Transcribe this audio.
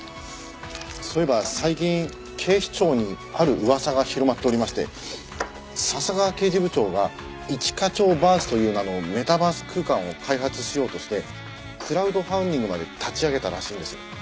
そういえば最近警視庁にある噂が広まっておりまして笹川刑事部長が一課長バースという名のメタバース空間を開発しようとしてクラウドファンディングまで立ち上げたらしいんです。